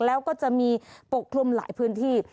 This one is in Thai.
แล้วก็จะมีปกคลุมหลายพื้นที่